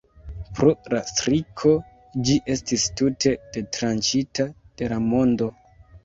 Pro la striko ĝi estis tute detranĉita de la mondo.